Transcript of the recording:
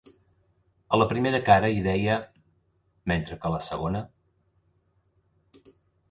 A la primera cara hi deia: "", mentre que a la segona: "".